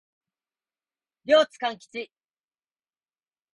両津勘吉